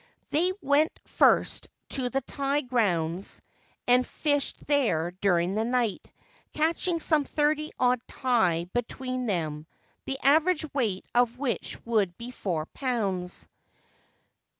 They went first to the tai grounds and fished there during the night, catching some thirty odd tai between them, the average weight of which would be four pounds.